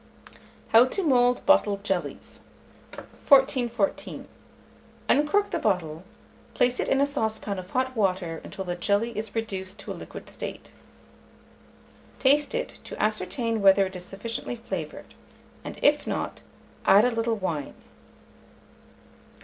HOW TO MOULD BOTTLED JELLIES. 1414. Uncork the bottle; place it in a saucepan of hot water until the jelly is reduced to a liquid state; taste it, to ascertain whether it is sufficiently flavoured, and if not, add a little wine.